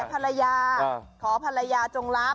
แผ่งภรรยาขอภรรยาจงลับ